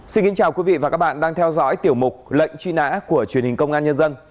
xin kính chào quý vị và các bạn đang theo dõi tiểu mục lệnh truy nã của truyền hình công an nhân dân